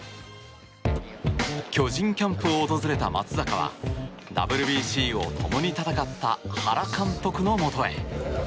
巨人キャンプを訪れた松坂はＷＢＣを共に戦った原監督のもとへ。